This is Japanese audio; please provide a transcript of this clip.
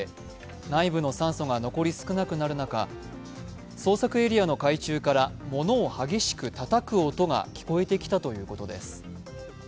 内部の酸素が残り少なくなる中、捜索エリアの海中からものを激しくたたく音が聞こえてきたということです。